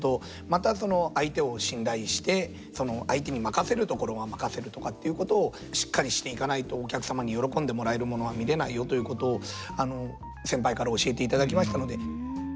またその相手を信頼してその相手に任せるところは任せるとかっていうことをしっかりしていかないとお客様に喜んでもらえるものは見れないよということを先輩から教えていただきましたので。